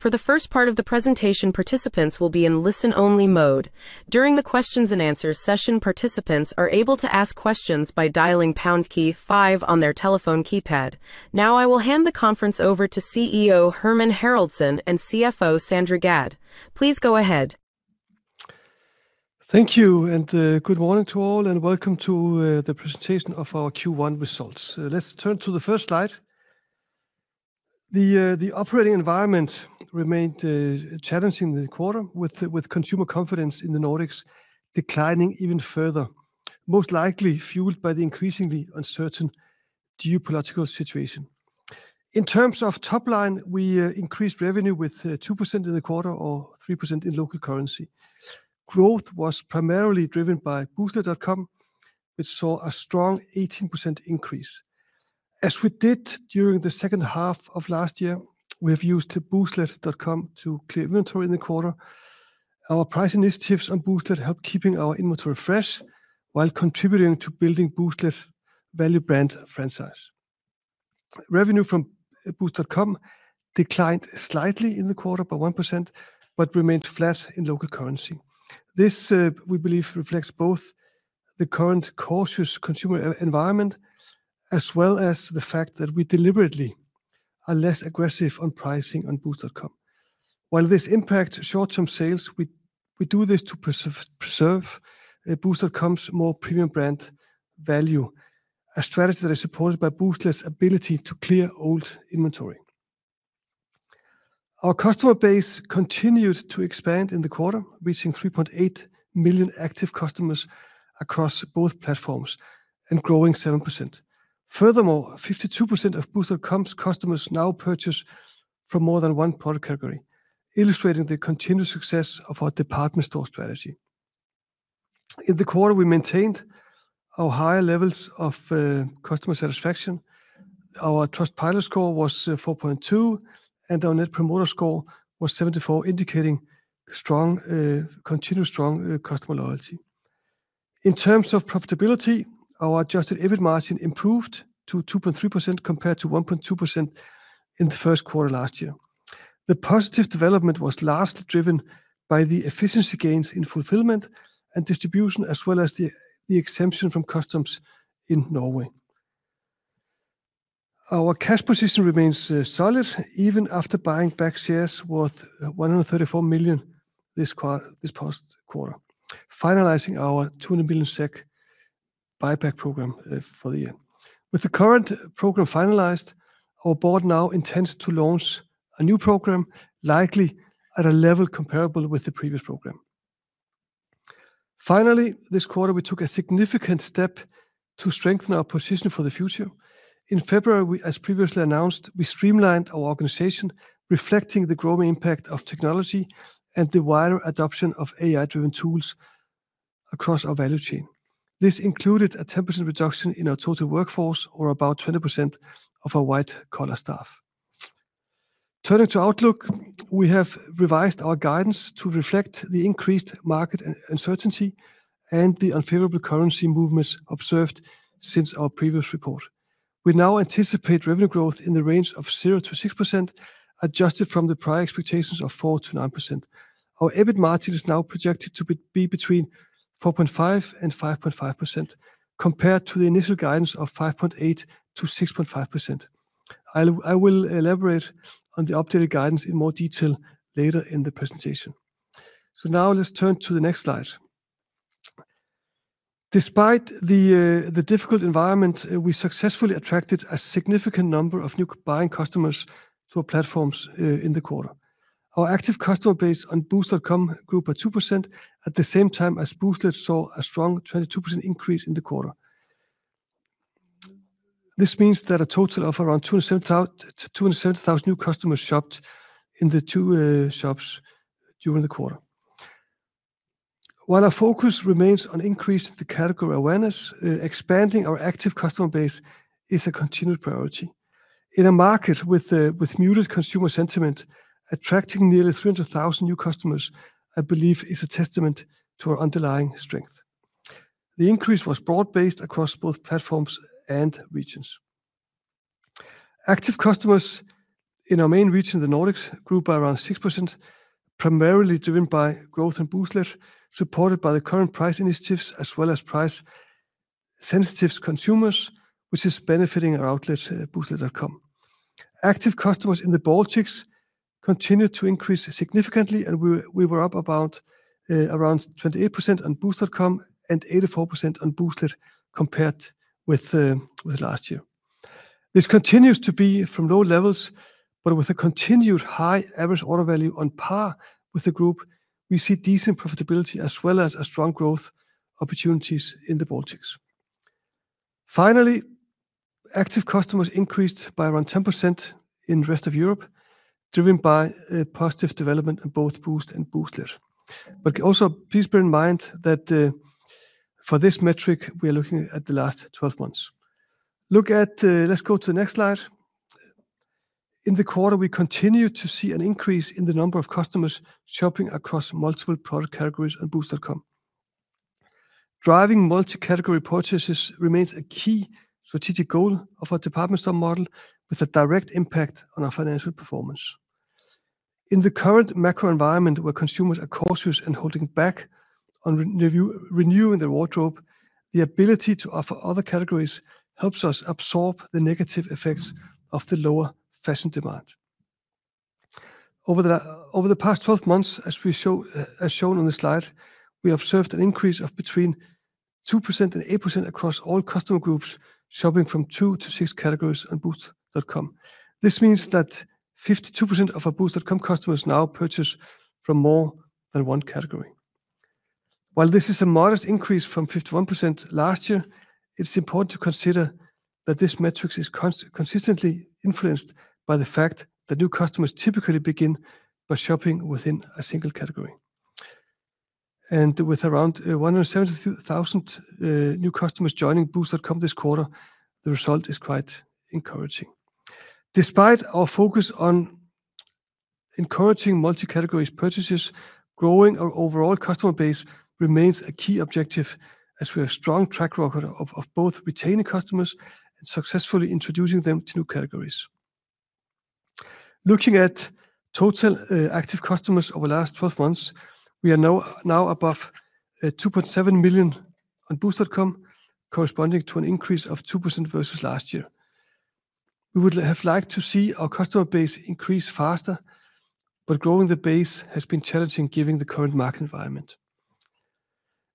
For the first part of the presentation, participants will be in listen-only mode. During the questions-and-answers session, participants are able to ask questions by dialing pound key five on their telephone keypad. Now, I will hand the conference over to CEO Hermann Haraldsson and CFO Sandra Gadd. Please go ahead. Thank you, and good morning to all, and welcome to the presentation of our Q1 results. Let's turn to the first slide. The operating environment remained challenging this quarter, with consumer confidence in the Nordics declining even further, most likely fueled by the increasingly uncertain geopolitical situation. In terms of top line, we increased revenue with 2% in the quarter or 3% in local currency. Growth was primarily driven by Booztlet.com, which saw a strong 18% increase. As we did during the second half of last year, we have used Booztlet.com to clear inventory in the quarter. Our price initiatives on Booztlet helped keep our inventory fresh while contributing to building Booztlet's value brand and franchise. Revenue from Boozt.com declined slightly in the quarter by 1% but remained flat in local currency. This, we believe, reflects both the current cautious consumer environment as well as the fact that we deliberately are less aggressive on pricing on Boozt.com. While this impacts short-term sales, we do this to preserve Boozt.com's more premium brand value, a strategy that is supported by Booztlet's ability to clear old inventory. Our customer base continued to expand in the quarter, reaching 3.8 million active customers across both platforms and growing 7%. Furthermore, 52% of Boozt.com's customers now purchase from more than one product category, illustrating the continued success of our department store strategy. In the quarter, we maintained our higher levels of customer satisfaction. Our Trustpilot score was 4.2, and our Net Promoter Score was 74, indicating continued strong customer loyalty. In terms of profitability, our adjusted EBIT margin improved to 2.3% compared to 1.2% in the Q1 last year. The positive development was largely driven by the efficiency gains in fulfillment and distribution, as well as the exemption from customs in Norway. Our cash position remains solid, even after buying back shares worth 134 million this past quarter, finalizing our 200 million SEK buyback program for the year. With the current program finalized, our board now intends to launch a new program, likely at a level comparable with the previous program. Finally, this quarter, we took a significant step to strengthen our position for the future. In February, as previously announced, we streamlined our organization, reflecting the growing impact of technology and the wider adoption of AI-driven tools across our value chain. This included a 10% reduction in our total workforce, or about 20% of our white-collar staff. Turning to Outlook, we have revised our guidance to reflect the increased market uncertainty and the unfavorable currency movements observed since our previous report. We now anticipate revenue growth in the range of 0% to 6%, adjusted from the prior expectations of 4% to 9%. Our EBIT margin is now projected to be between 4.5% and 5.5%, compared to the initial guidance of 5.8% to 6.5%. I will elaborate on the updated guidance in more detail later in the presentation. Now, let's turn to the next slide. Despite the difficult environment, we successfully attracted a significant number of new buying customers to our platforms in the quarter. Our active customer base on Boozt.com grew by 2% at the same time as Booztlet saw a strong 22% increase in the quarter. This means that a total of around 270,000 new customers shopped in the two shops during the quarter. While our focus remains on increasing the category awareness, expanding our active customer base is a continued priority. In a market with muted consumer sentiment, attracting nearly 300,000 new customers, I believe, is a testament to our underlying strength. The increase was broad-based across both platforms and regions. Active customers in our main region, the Nordics, grew by around 6%, primarily driven by growth in Booztlet, supported by the current price initiatives as well as price-sensitive consumers, which is benefiting our outlet, Booztlet.com. Active customers in the Baltics continued to increase significantly, and we were up about around 28% on Boozt.com and 84% on Booztlet.com compared with last year. This continues to be from low levels, but with a continued high average order value on par with the group, we see decent profitability as well as strong growth opportunities in the Baltics. Finally, active customers increased by around 10% in the rest of Europe, driven by positive development in both Boozt.com and Booztlet.com. Also, please bear in mind that for this metric, we are looking at the last 12 months. Let's go to the next slide. In the quarter, we continue to see an increase in the number of customers shopping across multiple product categories on Boozt.com. Driving multi-category purchases remains a key strategic goal of our department store model, with a direct impact on our financial performance. In the current macro environment, where consumers are cautious and holding back on renewing their wardrobe, the ability to offer other categories helps us absorb the negative effects of the lower fashion demand. Over the past 12 months, as shown on the slide, we observed an increase of between 2% and 8% across all customer groups shopping from two to six categories on Boozt.com. This means that 52% of our Boozt.com customers now purchase from more than one category. While this is a modest increase from 51% last year, it's important to consider that this metric is consistently influenced by the fact that new customers typically begin by shopping within a single category. With around 170,000 new customers joining Boozt.com this quarter, the result is quite encouraging. Despite our focus on encouraging multi-category purchases, growing our overall customer base remains a key objective as we have a strong track record of both retaining customers and successfully introducing them to new categories. Looking at total active customers over the last 12 months, we are now above 2.7 million on Boozt.com, corresponding to an increase of 2% versus last year. We would have liked to see our customer base increase faster, but growing the base has been challenging given the current market environment.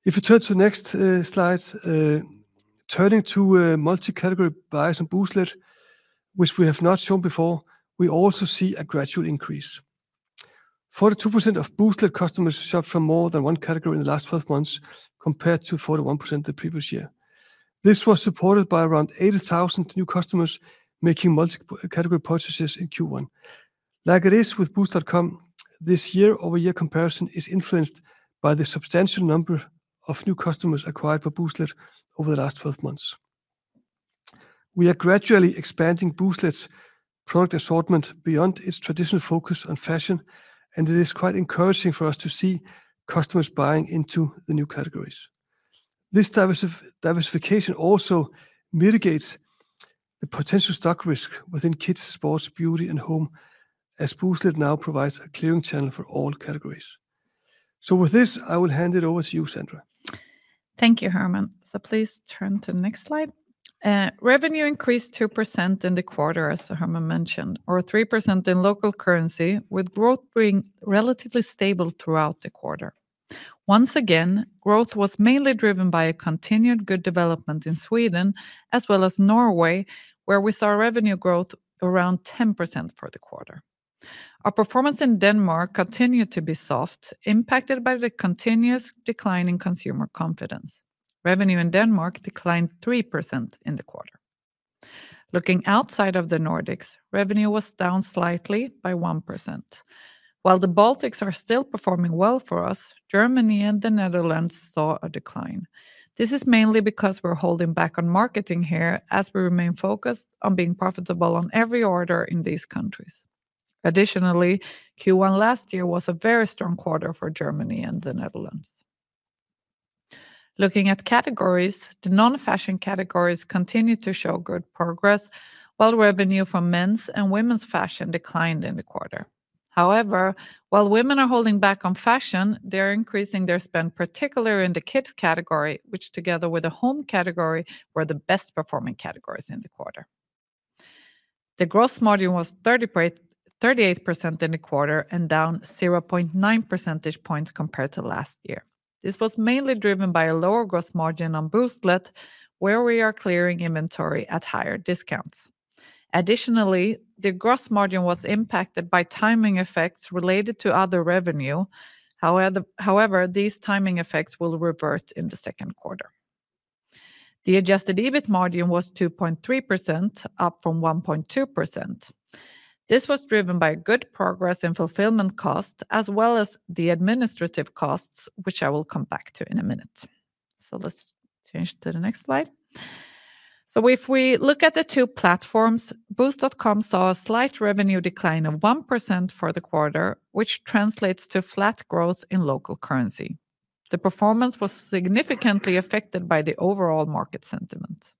If we turn to the next slide, turning to multi-category buyers on Booztlet, which we have not shown before, we also see a gradual increase. 42% of Booztlet customers shopped from more than one category in the last 12 months compared to 41% the previous year. This was supported by around 80,000 new customers making multi-category purchases in Q1. Like it is with Boozt.com, this year-over-year comparison is influenced by the substantial number of new customers acquired by Booztlet over the last 12 months. We are gradually expanding Booztlet's product assortment beyond its traditional focus on fashion, and it is quite encouraging for us to see customers buying into the new categories. This diversification also mitigates the potential stock risk within kids, sports, beauty, and home, as Booztlet now provides a clearing channel for all categories. With this, I will hand it over to you, Sandra. Thank you, Hermann. Please turn to the next slide. Revenue increased 2% in the quarter, as Hermann mentioned, or 3% in local currency, with growth being relatively stable throughout the quarter. Once again, growth was mainly driven by a continued good development in Sweden as well as Norway, where we saw revenue growth around 10% for the quarter. Our performance in Denmark continued to be soft, impacted by the continuous decline in consumer confidence. Revenue in Denmark declined 3% in the quarter. Looking outside of the Nordics, revenue was down slightly by 1%. While the Baltics are still performing well for us, Germany and The Netherlands saw a decline. This is mainly because we are holding back on marketing here, as we remain focused on being profitable on every order in these countries. Additionally, Q1 last year was a very strong quarter for Germany and The Netherlands. Looking at categories, the non-fashion categories continued to show good progress, while revenue from men's and women's fashion declined in the quarter. However, while women are holding back on fashion, they are increasing their spend, particularly in the kids category, which, together with the home category, were the best-performing categories in the quarter. The gross margin was 38% in the quarter and down 0.9 percentage points compared to last year. This was mainly driven by a lower gross margin on Booztlet, where we are clearing inventory at higher discounts. Additionally, the gross margin was impacted by timing effects related to other revenue. However, these timing effects will revert in the Q2. The adjusted EBIT margin was 2.3%, up from 1.2%. This was driven by good progress in fulfillment costs, as well as the administrative costs, which I will come back to in a minute. Let's change to the next slide. If we look at the two platforms, Boozt.com saw a slight revenue decline of 1% for the quarter, which translates to flat growth in local currency. The performance was significantly affected by the overall market sentiment.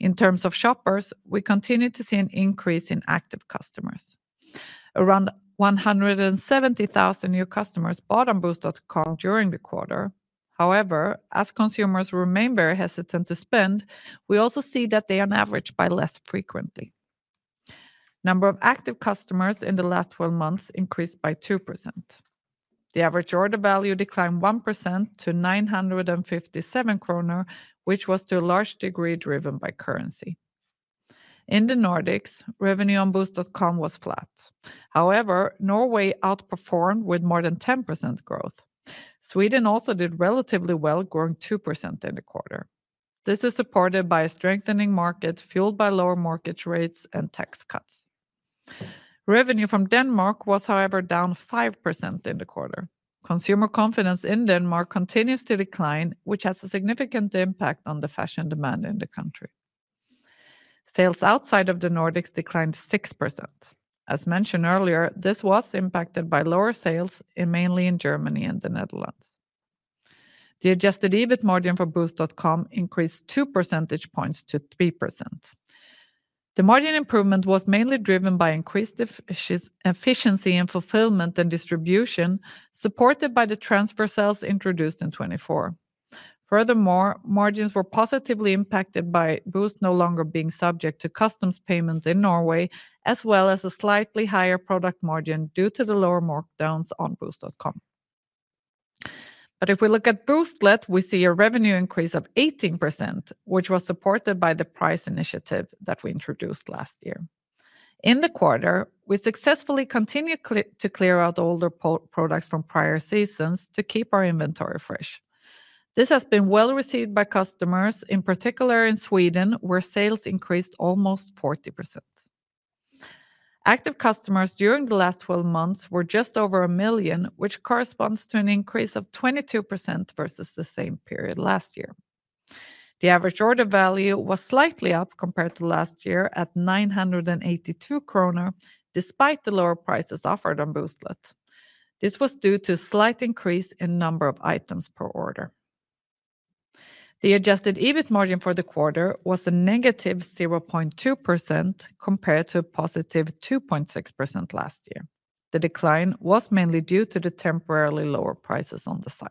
In terms of shoppers, we continue to see an increase in active customers. Around 170,000 new customers bought on Booztlet.com during the quarter. However, as consumers remain very hesitant to spend, we also see that they are averaged by less frequently. Number of active customers in the last 12 months increased by 2%. The average order value declined 1% to 957 kroner, which was to a large degree driven by currency. In the Nordics, revenue on Boozt.com was flat. However, Norway outperformed with more than 10% growth. Sweden also did relatively well, growing 2% in the quarter. This is supported by a strengthening market fueled by lower mortgage rates and tax cuts. Revenue from Denmark was, however, down 5% in the quarter. Consumer confidence in Denmark continues to decline, which has a significant impact on the fashion demand in the country. Sales outside of the Nordics declined 6%. As mentioned earlier, this was impacted by lower sales, mainly in Germany and the Netherlands. The adjusted EBIT margin for Boozt.com increased 2 percentage points to 3%. The margin improvement was mainly driven by increased efficiency in fulfillment and distribution, supported by the transfer cells introduced in 2024. Furthermore, margins were positively impacted by Boozt no longer being subject to customs payments in Norway, as well as a slightly higher product margin due to the lower markdowns on Boozt.com. If we look at Booztlet, we see a revenue increase of 18%, which was supported by the price initiative that we introduced last year. In the quarter, we successfully continued to clear out older products from prior seasons to keep our inventory fresh. This has been well received by customers, in particular in Sweden, where sales increased almost 40%. Active customers during the last 12 months were just over 1 million, which corresponds to an increase of 22% versus the same period last year. The average order value was slightly up compared to last year at 982 kronor, despite the lower prices offered on Booztlet. This was due to a slight increase in the number of items per order. The adjusted EBIT margin for the quarter was a negative 0.2% compared to a positive 2.6% last year. The decline was mainly due to the temporarily lower prices on the site.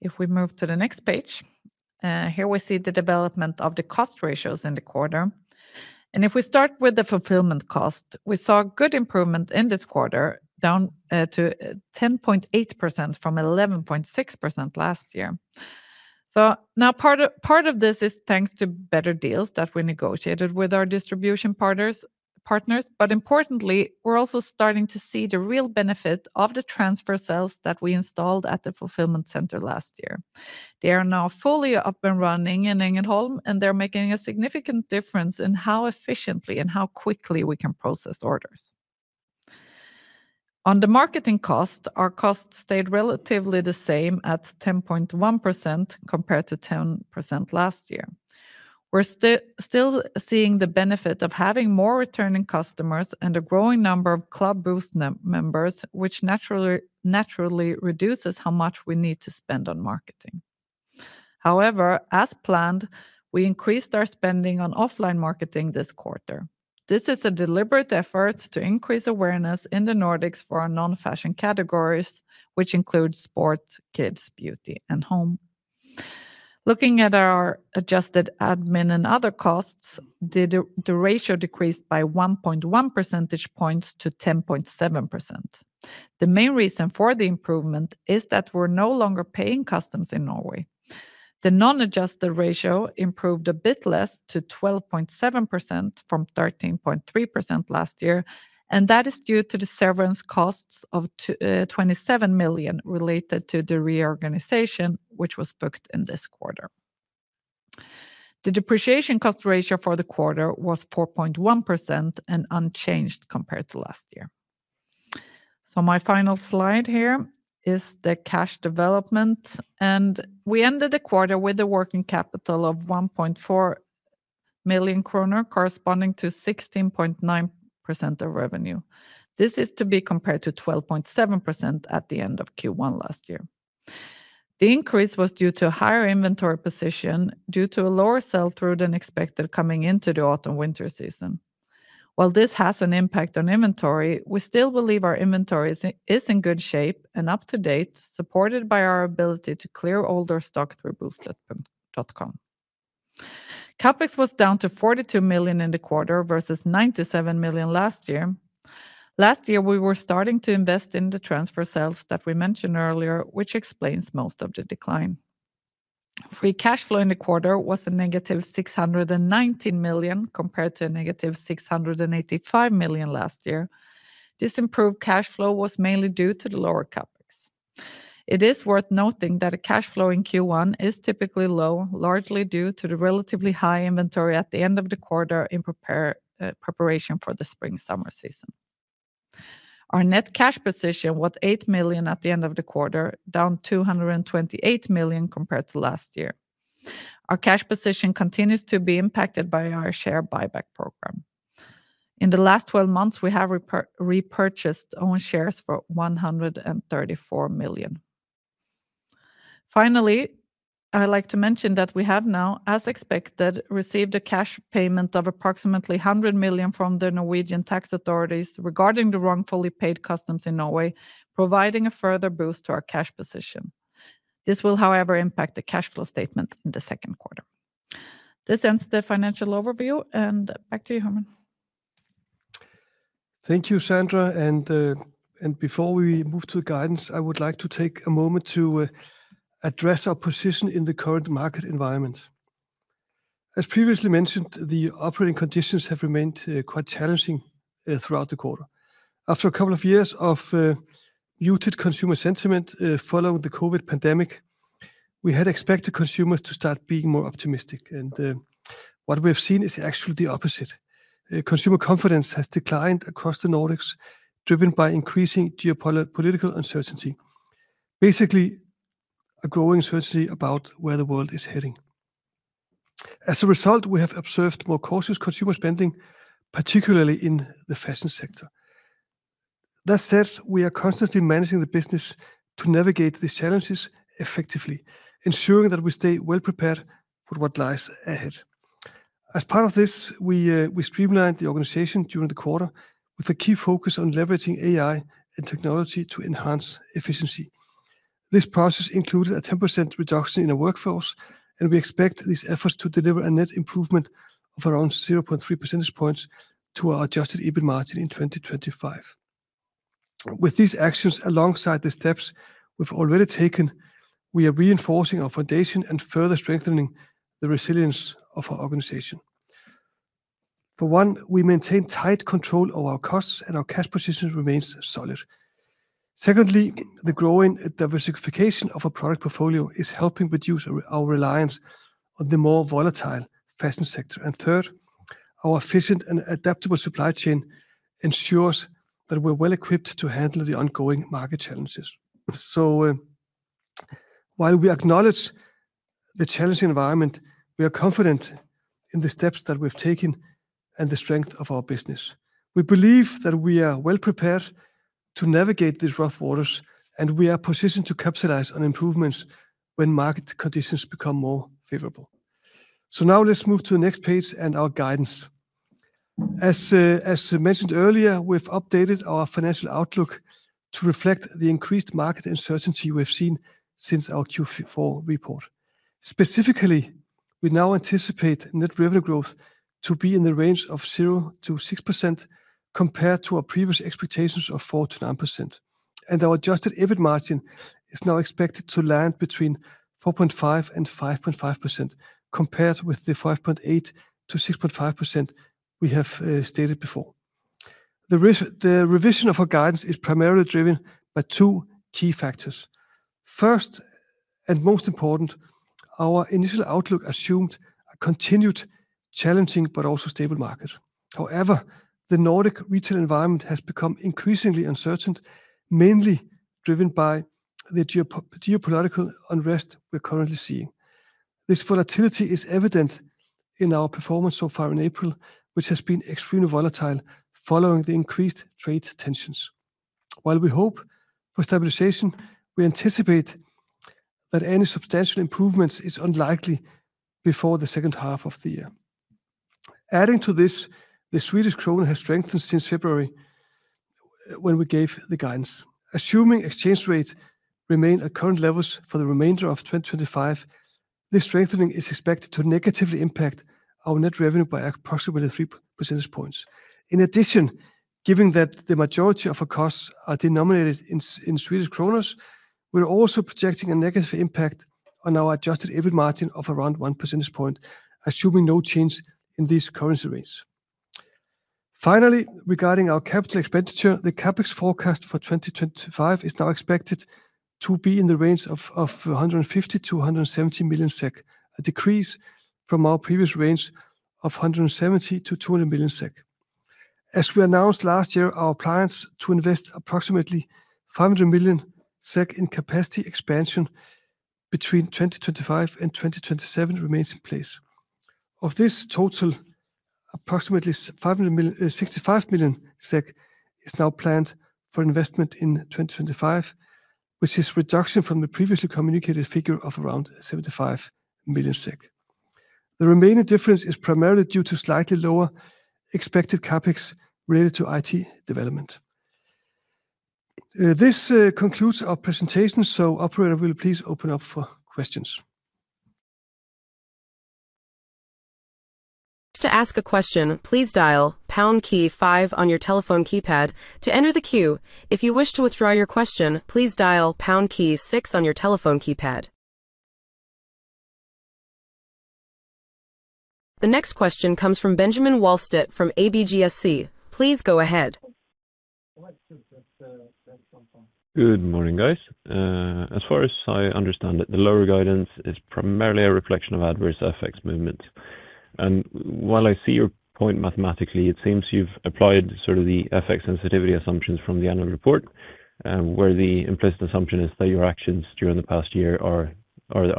If we move to the next page, here we see the development of the cost ratios in the quarter. If we start with the fulfillment cost, we saw a good improvement in this quarter, down to 10.8% from 11.6% last year. Part of this is thanks to better deals that we negotiated with our distribution partners. Importantly, we're also starting to see the real benefit of the transfer cells that we installed at the fulfillment center last year. They are now fully up and running in Ängelholm, and they're making a significant difference in how efficiently and how quickly we can process orders. On the marketing cost, our costs stayed relatively the same at 10.1% compared to 10% last year. We're still seeing the benefit of having more returning customers and a growing number of Club Boozt members, which naturally reduces how much we need to spend on marketing. However, as planned, we increased our spending on offline marketing this quarter. This is a deliberate effort to increase awareness in the Nordics for our non-fashion categories, which include sports, kids, beauty, and home. Looking at our adjusted admin and other costs, the ratio decreased by 1.1 percentage points to 10.7%. The main reason for the improvement is that we're no longer paying customs in Norway. The non-adjusted ratio improved a bit less to 12.7% from 13.3% last year, and that is due to the severance costs of 27 million related to the reorganization, which was booked in this quarter. The depreciation cost ratio for the quarter was 4.1% and unchanged compared to last year. My final slide here is the cash development, and we ended the quarter with a working capital of 1.4 billion kronor, corresponding to 16.9% of revenue. This is to be compared to 12.7% at the end of Q1 last year. The increase was due to a higher inventory position due to a lower sell-through than expected coming into the autumn-winter season. While this has an impact on inventory, we still believe our inventory is in good shape and up to date, supported by our ability to clear older stock through Booztlet.com. CAPEX was down to 42 million in the quarter versus 97 million last year. Last year, we were starting to invest in the transfer cells that we mentioned earlier, which explains most of the decline. Free cash flow in the quarter was a negative 619 million compared to a negative 685 million last year. This improved cash flow was mainly due to the lower CAPEX. It is worth noting that cash flow in Q1 is typically low, largely due to the relatively high inventory at the end of the quarter in preparation for the spring-summer season. Our net cash position was 8 million at the end of the quarter, down to 228 million compared to last year. Our cash position continues to be impacted by our share buyback program. In the last 12 months, we have repurchased own shares for 134 million. Finally, I'd like to mention that we have now, as expected, received a cash payment of approximately 100 million from the Norwegian tax authorities regarding the wrongfully paid customs in Norway, providing a further boost to our cash position. This will, however, impact the cash flow statement in the Q2. This ends the financial overview, and back to you, Hermann. Thank you, Sandra. Before we move to the guidance, I would like to take a moment to address our position in the current market environment. As previously mentioned, the operating conditions have remained quite challenging throughout the quarter. After a couple of years of muted consumer sentiment following the COVID pandemic, we had expected consumers to start being more optimistic. What we've seen is actually the opposite. Consumer confidence has declined across the Nordics, driven by increasing geopolitical uncertainty, basically a growing uncertainty about where the world is heading. As a result, we have observed more cautious consumer spending, particularly in the fashion sector. That said, we are constantly managing the business to navigate these challenges effectively, ensuring that we stay well prepared for what lies ahead. As part of this, we streamlined the organization during the quarter with a key focus on leveraging AI and technology to enhance efficiency. This process included a 10% reduction in our workforce, and we expect these efforts to deliver a net improvement of around 0.3 percentage points to our adjusted EBIT margin in 2025. With these actions, alongside the steps we have already taken, we are reinforcing our foundation and further strengthening the resilience of our organization. For one, we maintain tight control of our costs, and our cash position remains solid. Secondly, the growing diversification of our product portfolio is helping reduce our reliance on the more volatile fashion sector. Third, our efficient and adaptable supply chain ensures that we are well equipped to handle the ongoing market challenges. While we acknowledge the challenging environment, we are confident in the steps that we've taken and the strength of our business. We believe that we are well prepared to navigate these rough waters, and we are positioned to capitalize on improvements when market conditions become more favorable. Now let's move to the next page and our guidance. As mentioned earlier, we've updated our financial outlook to reflect the increased market uncertainty we've seen since our Q4 report. Specifically, we now anticipate net revenue growth to be in the range of 0% to 6% compared to our previous expectations of 4% to 9%. Our adjusted EBIT margin is now expected to land between 4.5% to 5.5% compared with the 5.8% to 6.5% we have stated before. The revision of our guidance is primarily driven by two key factors. First, and most important, our initial outlook assumed a continued challenging but also stable market. However, the Nordic retail environment has become increasingly uncertain, mainly driven by the geopolitical unrest we're currently seeing. This volatility is evident in our performance so far in April, which has been extremely volatile following the increased trade tensions. While we hope for stabilization, we anticipate that any substantial improvement is unlikely before the second half of the year. Adding to this, the Swedish krona has strengthened since February when we gave the guidance. Assuming exchange rates remain at current levels for the remainder of 2025, this strengthening is expected to negatively impact our net revenue by approximately 3 percentage points. In addition, given that the majority of our costs are denominated in Swedish kronas, we're also projecting a negative impact on our adjusted EBIT margin of around 1 percentage point, assuming no change in these currency rates. Finally, regarding our capital expenditure, the CAPEX forecast for 2025 is now expected to be in the range of 150 million to 170 million, a decrease from our previous range of 170 million to 200 million. As we announced last year, our plans to invest approximately 500 million SEK in capacity expansion between 2025 and 2027 remain in place. Of this total, approximately 65 million SEK is now planned for investment in 2025, which is a reduction from the previously communicated figure of around 75 million SEK. The remaining difference is primarily due to slightly lower expected CAPEX related to IT development. This concludes our presentation, so operator, will you please open up for questions? To ask a question, please dial pound key five on your telephone keypad to enter the queue. If you wish to withdraw your question, please dial pound key six on your telephone keypad. The next question comes from Benjamin Wahlstedt from ABGSC. Please go ahead. Good morning, guys. As far as I understand, the lower guidance is primarily a reflection of adverse FX movements. While I see your point mathematically, it seems you've applied sort of the FX sensitivity assumptions from the annual report, where the implicit assumption is that your actions during the past year are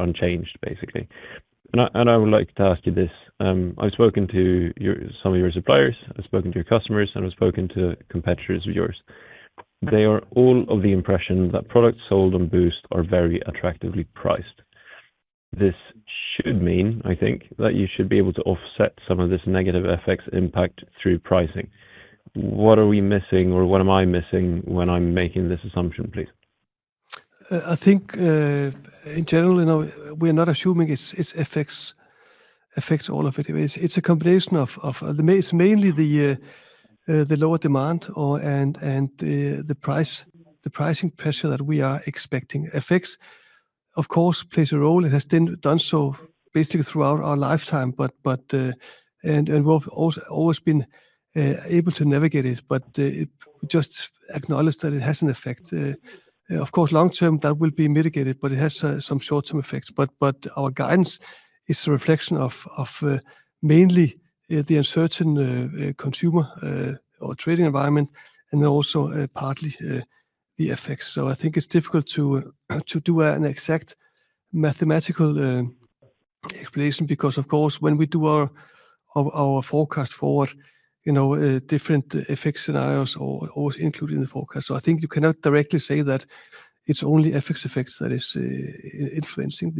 unchanged, basically. I would like to ask you this. I've spoken to some of your suppliers, I've spoken to your customers, and I've spoken to competitors of yours. They are all of the impression that products sold on Boozt are very attractively priced. This should mean, I think, that you should be able to offset some of this negative FX impact through pricing. What are we missing, or what am I missing when I'm making this assumption, please? I think, in general, we are not assuming it's FX, FX all of it. It's a combination of, it's mainly the lower demand and the pricing pressure that we are expecting. FX, of course, plays a role. It has done so basically throughout our lifetime, and we've always been able to navigate it, but we just acknowledge that it has an effect. Of course, long term, that will be mitigated, but it has some short term effects. Our guidance is a reflection of mainly the uncertain consumer or trading environment, and then also partly the FX. I think it's difficult to do an exact mathematical explanation because, of course, when we do our forecast forward, different FX scenarios are always included in the forecast. I think you cannot directly say that it's only FX effects that are influencing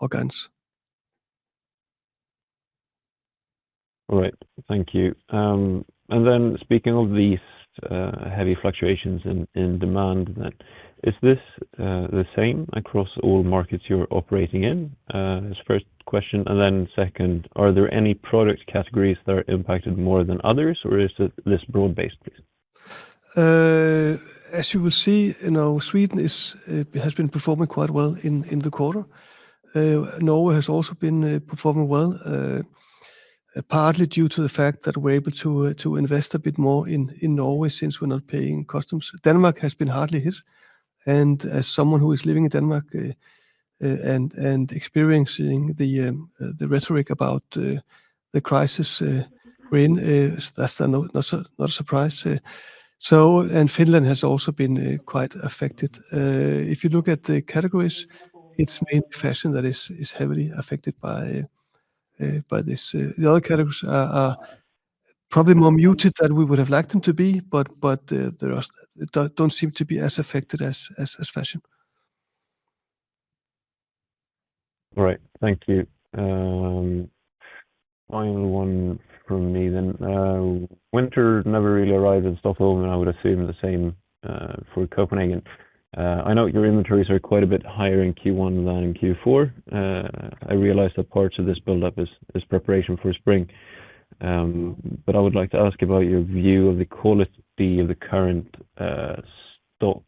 our guidance. All right, thank you. Speaking of these heavy fluctuations in demand, is this the same across all markets you're operating in? This is the first question. Are there any product categories that are impacted more than others, or is it this broad base, please? As you will see, Sweden has been performing quite well in the quarter. Norway has also been performing well, partly due to the fact that we're able to invest a bit more in Norway since we're not paying customs. Denmark has been hardly hit. As someone who is living in Denmark and experiencing the rhetoric about the crisis, that's not a surprise. Finland has also been quite affected. If you look at the categories, it's mainly fashion that is heavily affected by this. The other categories are probably more muted than we would have liked them to be, but they don't seem to be as affected as fashion. All right, thank you. Final one from me then. Winter never really arrives in Stockholm, and I would assume the same for Copenhagen. I know your inventories are quite a bit higher in Q1 than in Q4. I realize that parts of this buildup is preparation for spring. I would like to ask about your view of the quality of the current stock.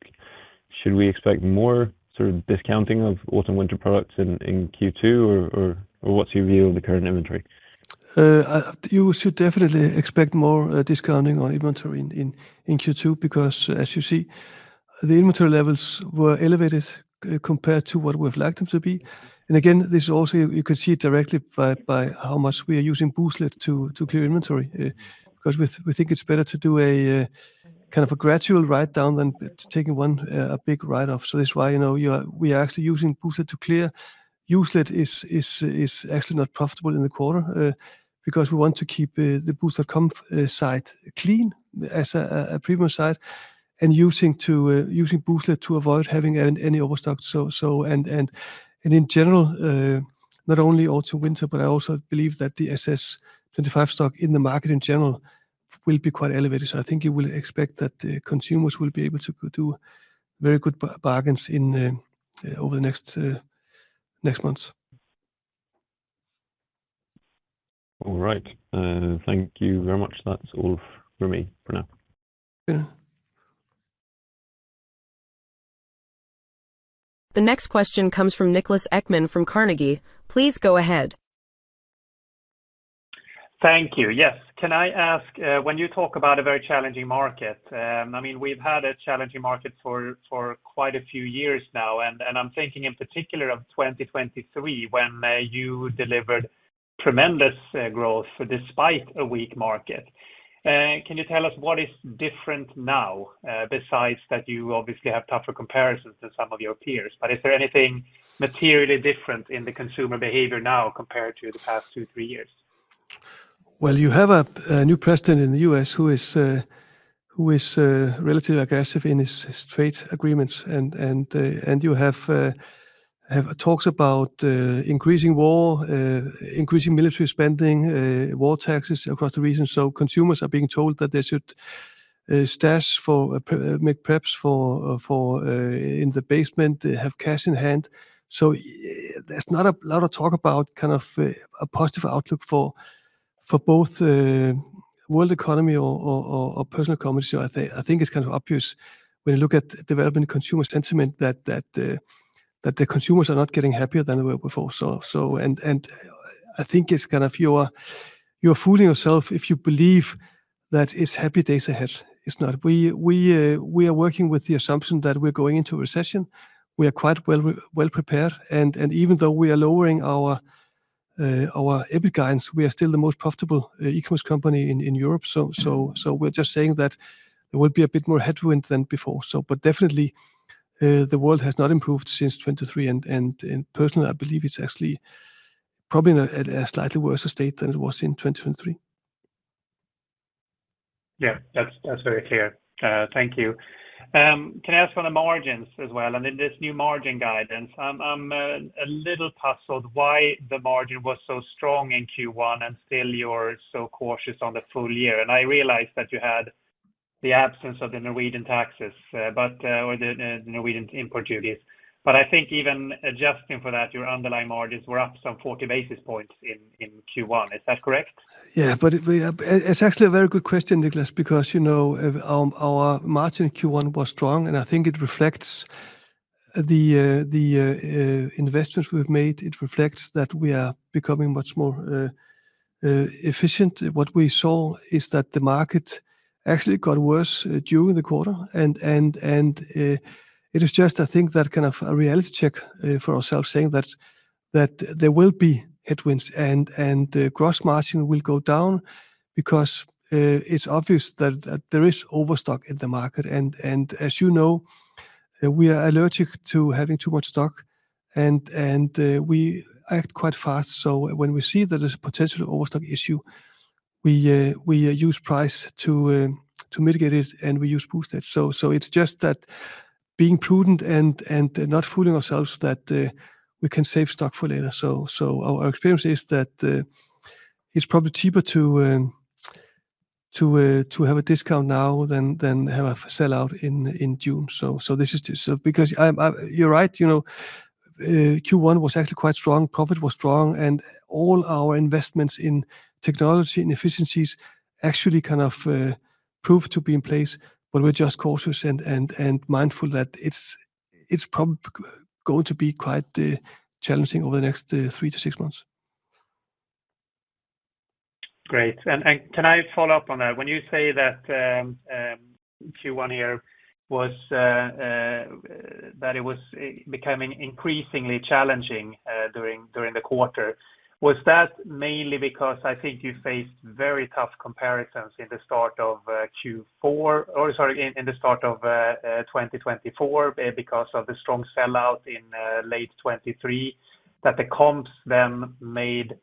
Should we expect more sort of discounting of autumn-winter products in Q2, or what's your view of the current inventory? You should definitely expect more discounting on inventory in Q2 because, as you see, the inventory levels were elevated compared to what we've liked them to be. Again, this is also, you can see it directly by how much we are using Booztlet to clear inventory because we think it's better to do a kind of a gradual write-down than taking one big write-off. This is why we are actually using Booztlet to clear. It is actually not profitable in the quarter because we want to keep the Booztlet site clean as a premium site and using Booztlet to avoid having any overstock. In general, not only autumn-winter, but I also believe that the SS25 stock in the market in general will be quite elevated. I think you will expect that consumers will be able to do very good bargains over the next months. All right. Thank you very much. That's all from me for now. The next question comes from Niklas Ekman from Carnegie. Please go ahead. Thank you. Yes. Can I ask, when you talk about a very challenging market, I mean, we've had a challenging market for quite a few years now. I mean, I'm thinking in particular of 2023, when you delivered tremendous growth despite a weak market. Can you tell us what is different now, besides that you obviously have tougher comparisons than some of your peers? Is there anything materially different in the consumer behavior now compared to the past two, three years? You have a new president in the U.S. who is relatively aggressive in his trade agreements. You have talks about increasing war, increasing military spending, war taxes across the region. Consumers are being told that they should stash for preps in the basement, have cash in hand. There is not a lot of talk about kind of a positive outlook for both world economy or personal economies. I think it is kind of obvious when you look at developing consumer sentiment that the consumers are not getting happier than they were before. I think it is kind of you are fooling yourself if you believe that it is happy days ahead. It is not. We are working with the assumption that we are going into a recession. We are quite well prepared. Even though we are lowering our EBIT guidance, we are still the most profitable e-commerce company in Europe. We are just saying that there will be a bit more headwind than before. Definitely, the world has not improved since 2023. Personally, I believe it is actually probably in a slightly worse state than it was in 2023. Yeah, that's very clear. Thank you. Can I ask on the margins as well? In this new margin guidance, I'm a little puzzled why the margin was so strong in Q1 and still you're so cautious on the full year. I realize that you had the absence of the Norwegian taxes or the Norwegian import duties. I think even adjusting for that, your underlying margins were up some 40 basis points in Q1. Is that correct? Yeah, but it's actually a very good question, Niklas, because you know our margin in Q1 was strong. I think it reflects the investments we've made. It reflects that we are becoming much more efficient. What we saw is that the market actually got worse during the quarter. It is just, I think, that kind of a reality check for ourselves saying that there will be headwinds and gross margin will go down because it's obvious that there is overstock in the market. As you know, we are allergic to having too much stock. We act quite fast. When we see that there's a potential overstock issue, we use price to mitigate it and we use Booztlet. It is just that being prudent and not fooling ourselves that we can save stock for later. Our experience is that it's probably cheaper to have a discount now than have a sell-out in June. This is because you're right. Q1 was actually quite strong. Profit was strong. And all our investments in technology and efficiencies actually kind of proved to be in place. We're just cautious and mindful that it's probably going to be quite challenging over the next three to six months. Great. Can I follow up on that? When you say that Q1 year was that it was becoming increasingly challenging during the quarter, was that mainly because I think you faced very tough comparisons in the start of Q4, or sorry, in the start of 2024 because of the strong sell-out in late 2023 that the comps then made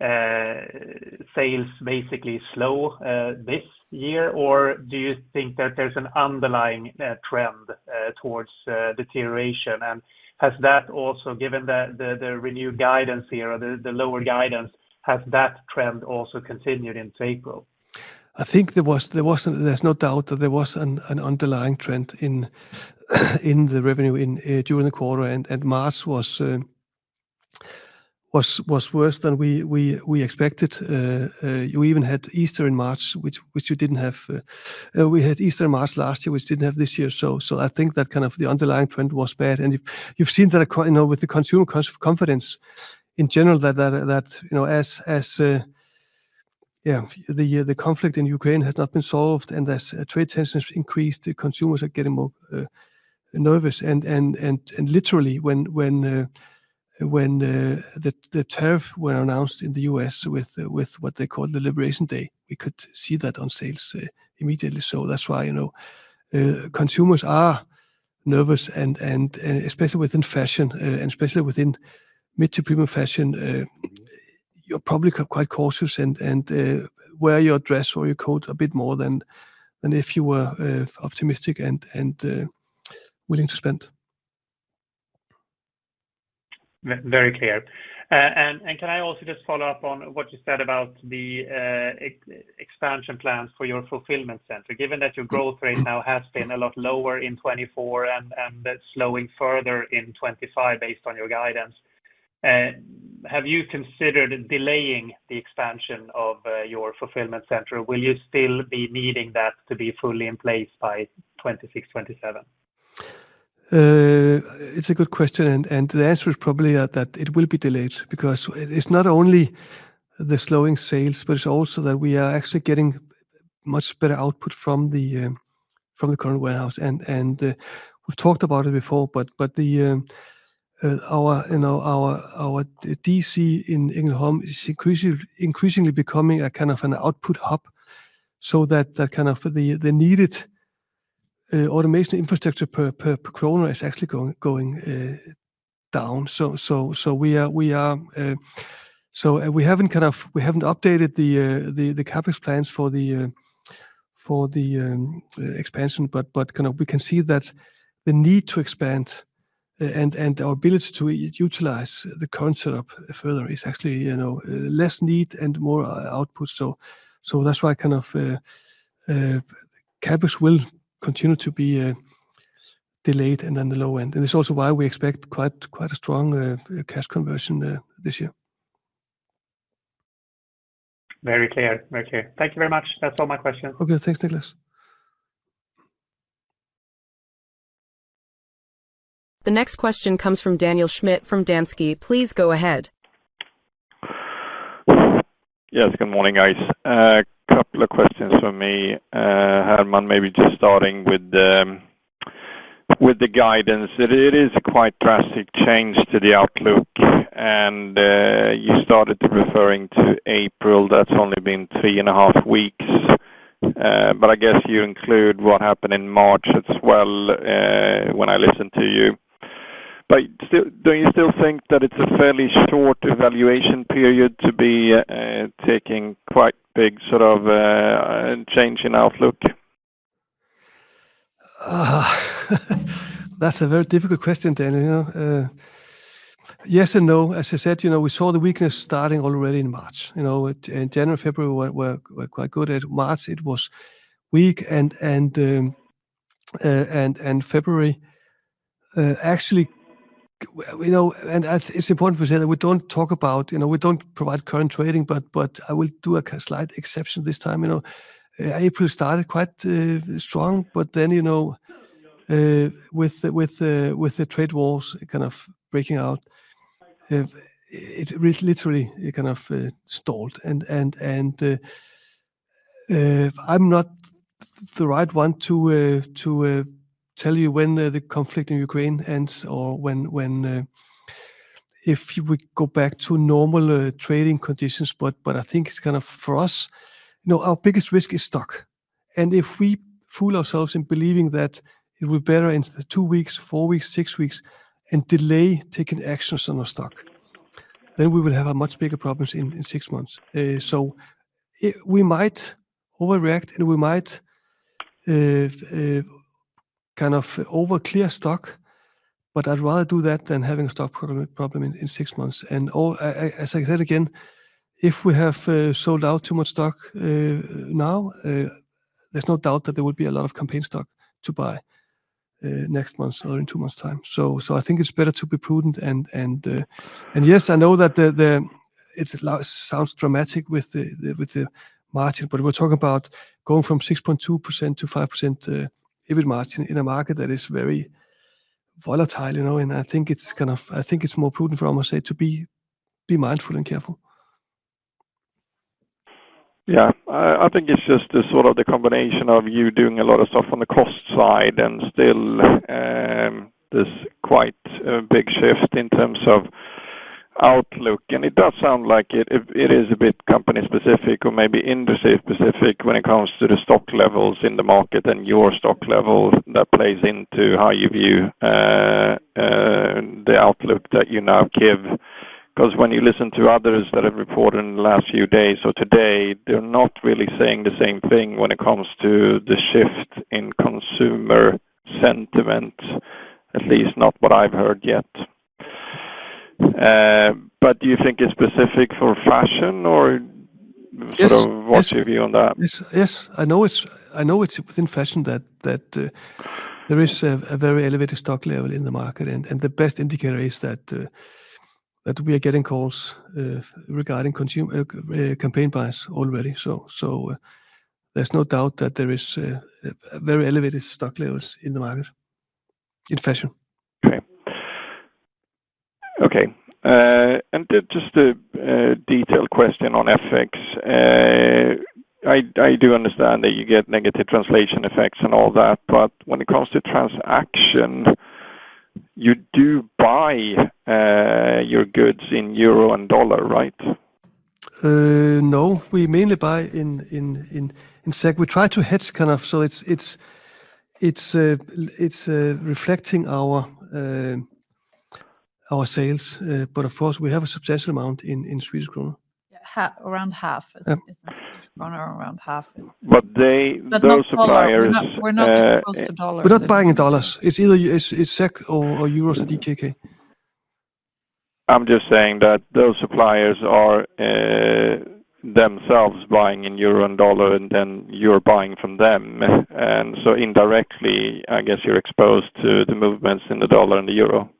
sales basically slow this year? Do you think that there is an underlying trend towards deterioration? Has that also, given the renewed guidance here, the lower guidance, has that trend also continued into April? I think there wasn't, there's no doubt that there was an underlying trend in the revenue during the quarter. March was worse than we expected. You even had Easter in March, which you didn't have. We had Easter in March last year, which didn't have this year. I think that kind of the underlying trend was bad. You've seen that with the consumer confidence in general that as the conflict in Ukraine has not been solved and as trade tensions increased, consumers are getting more nervous. Literally, when the tariffs were announced in the U.S. with what they called the Liberation Day, we could see that on sales immediately. That's why consumers are nervous, and especially within fashion, and especially within mid to premium fashion, you're probably quite cautious and wear your dress or your coat a bit more than if you were optimistic and willing to spend. Very clear. Can I also just follow up on what you said about the expansion plans for your fulfillment center, given that your growth rate now has been a lot lower in 2024 and slowing further in 2025 based on your guidance? Have you considered delaying the expansion of your fulfillment center? Will you still be needing that to be fully in place by 2026, 2027? It's a good question. The answer is probably that it will be delayed because it's not only the slowing sales, but it's also that we are actually getting much better output from the current warehouse. We've talked about it before, but our DC in Ängelholm is increasingly becoming a kind of an output hub so that kind of the needed automation infrastructure per kroner is actually going down. We haven't updated the CAPEX plans for the expansion, but we can see that the need to expand and our ability to utilize the current setup further is actually less need and more output. That's why CAPEX will continue to be delayed and then the low end. It's also why we expect quite a strong cash conversion this year. Very clear. Thank you very much. That is all my questions. Okay, thanks, Niklas. The next question comes from Daniel Schmidt from Danske. Please go ahead. Yes, good morning, guys. A couple of questions for me. Hermann, maybe just starting with the guidance. It is quite drastic change to the outlook. You started referring to April. That's only been three and a half weeks. I guess you include what happened in March as well when I listened to you. Do you still think that it's a fairly short evaluation period to be taking quite big sort of change in outlook? That's a very difficult question, Daniel. Yes and no. As I said, we saw the weakness starting already in March. In January, February, we're quite good. In March, it was weak. And February actually, and it's important to say that we don't talk about, we don't provide current trading, but I will do a slight exception this time. April started quite strong, but then with the trade wars kind of breaking out, it literally kind of stalled. I'm not the right one to tell you when the conflict in Ukraine ends or if we go back to normal trading conditions. I think it's kind of for us, our biggest risk is stock. If we fool ourselves in believing that it will be better in two weeks, four weeks, six weeks, and delay taking actions on our stock, then we will have much bigger problems in six months. We might overreact and we might kind of overclear stock, but I'd rather do that than having a stock problem in six months. As I said again, if we have sold out too much stock now, there's no doubt that there will be a lot of campaign stock to buy next month or in two months' time. I think it's better to be prudent. Yes, I know that it sounds dramatic with the margin, but we're talking about going from 6.2% to 5% EBIT margin in a market that is very volatile. I think it's more prudent for us to be mindful and careful. Yeah, I think it's just sort of the combination of you doing a lot of stuff on the cost side and still there's quite a big shift in terms of outlook. It does sound like it is a bit company-specific or maybe industry-specific when it comes to the stock levels in the market and your stock level that plays into how you view the outlook that you now give. When you listen to others that have reported in the last few days or today, they're not really saying the same thing when it comes to the shift in consumer sentiment, at least not what I've heard yet. Do you think it's specific for fashion or sort of what's your view on that? Yes, I know it's within fashion that there is a very elevated stock level in the market. The best indicator is that we are getting calls regarding campaign buys already. There is no doubt that there are very elevated stock levels in the market in fashion. Okay. Okay. Just a detailed question on FX. I do understand that you get negative translation effects and all that. When it comes to transaction, you do buy your goods in euro and dollar, right? No, we mainly buy in SEK. We try to hedge kind of. It is reflecting our sales. Of course, we have a substantial amount in Swedish kroner. Around half. Those suppliers. We're not supposed to dollar. We're not buying in dollars. It's either SEK or euros and DKK. I'm just saying that those suppliers are themselves buying in euro and dollar, and then you're buying from them. Indirectly, I guess you're exposed to the movements in the dollar and the euro.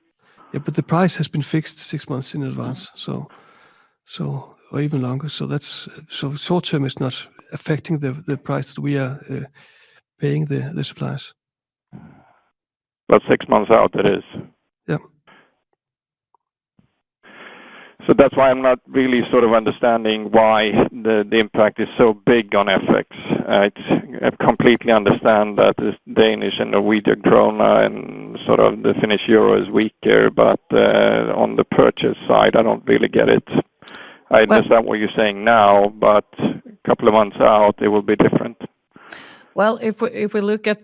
Yeah, the price has been fixed six months in advance or even longer. Short term is not affecting the price that we are paying the suppliers. Six months out, it is. Yeah. That's why I'm not really sort of understanding why the impact is so big on FX. I completely understand that Danish and Norwegian kroner and sort of the Finnish euro is weaker. On the purchase side, I don't really get it. I understand what you're saying now, but a couple of months out, it will be different. If we look at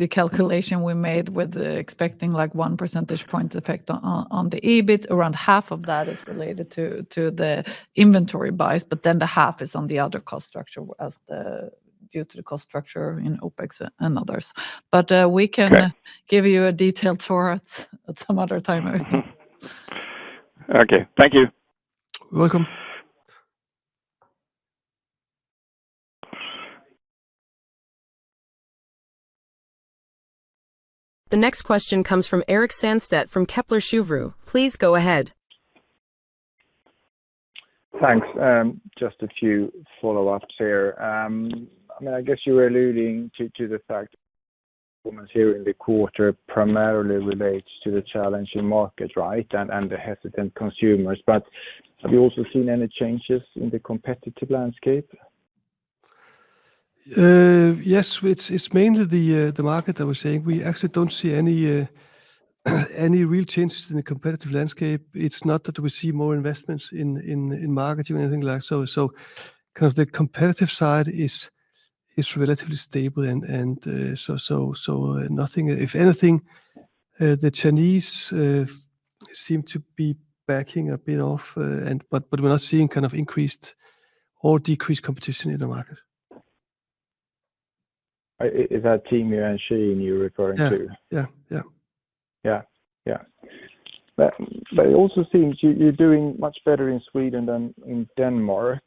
the calculation we made with expecting like one percentage point effect on the EBIT, around half of that is related to the inventory bias, but then the half is on the other cost structure due to the cost structure in OPEX and others. We can give you a detailed tour at some other time. Okay, thank you. You're welcome. The next question comes from Erik Sandstedt from Kepler Cheuvreux. Please go ahead. Thanks. Just a few follow-ups here. I mean, I guess you were alluding to the fact that here in the quarter primarily relates to the challenge in market, right, and the hesitant consumers. Have you also seen any changes in the competitive landscape? Yes, it's mainly the market that we're seeing. We actually don't see any real changes in the competitive landscape. It's not that we see more investments in marketing or anything like that. The competitive side is relatively stable. If anything, the Chinese seem to be backing a bit off, but we're not seeing increased or decreased competition in the market. Is that Temu and Shein, you're referring to? Yeah. Yeah. Yeah. Yeah. It also seems you're doing much better in Sweden than in Denmark.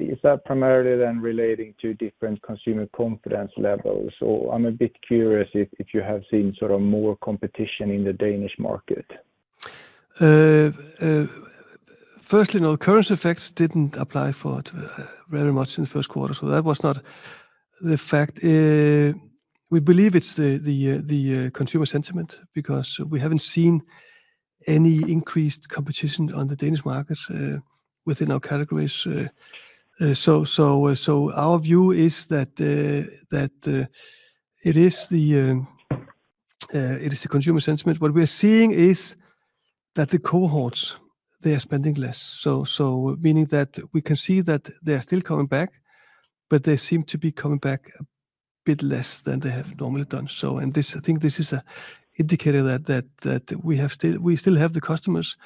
Is that primarily then relating to different consumer confidence levels? Or I'm a bit curious if you have seen sort of more competition in the Danish market. Firstly, no, the current effects did not apply for it very much in the Q1. That was not the fact. We believe it is the consumer sentiment because we have not seen any increased competition on the Danish market within our categories. Our view is that it is the consumer sentiment. What we are seeing is that the cohorts are spending less, meaning that we can see that they are still coming back, but they seem to be coming back a bit less than they have normally done. I think this is an indicator that we still have the customers,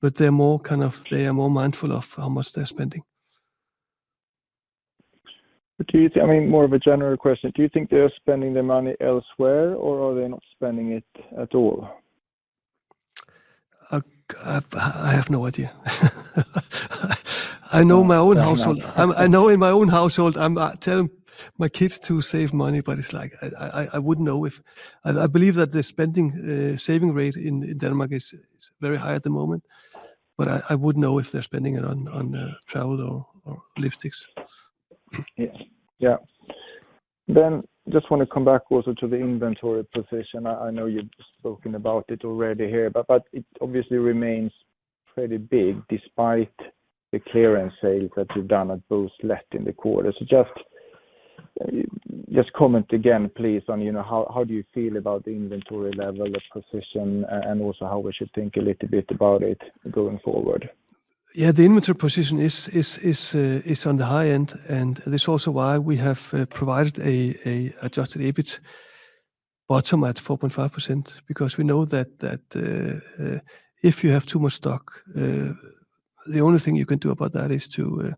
but they are more mindful of how much they are spending. I mean, more of a general question. Do you think they're spending their money elsewhere or are they not spending it at all? I have no idea. I know in my own household, I know in my own household, I'm telling my kids to save money, but it's like I wouldn't know if I believe that the saving rate in Denmark is very high at the moment. I wouldn't know if they're spending it on travel or lipsticks. Yeah. Just want to come back also to the inventory position. I know you've spoken about it already here, but it obviously remains pretty big despite the clearance sales that you've done at Booztlet in the quarter. Just comment again, please, on how do you feel about the inventory level, the position, and also how we should think a little bit about it going forward? Yeah, the inventory position is on the high end. This is also why we have provided an adjusted EBIT bottom at 4.5% because we know that if you have too much stock, the only thing you can do about that is to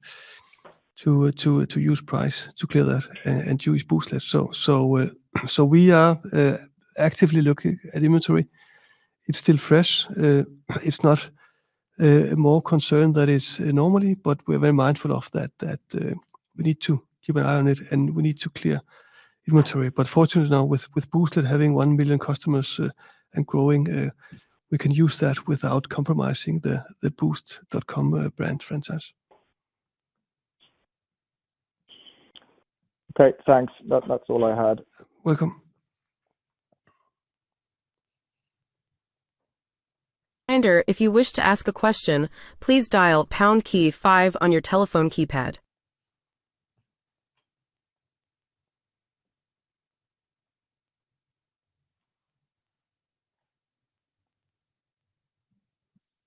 use price to clear that and use Booztlet. We are actively looking at inventory. It's still fresh. It's not more concerned than it normally is, but we're very mindful of that. We need to keep an eye on it and we need to clear inventory. Fortunately now, with Booztlet having one million customers and growing, we can use that without compromising the Boozt.com brand franchise. Okay, thanks. That's all I had. Welcome. Reminder, if you wish to ask a question, please dial pound key five on your telephone keypad.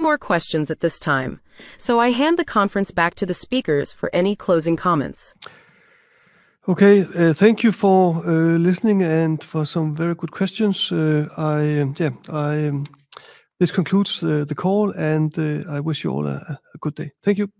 No more questions at this time. I hand the conference back to the speakers for any closing comments. Okay, thank you for listening and for some very good questions. Yeah, this concludes the call, and I wish you all a good day. Thank you.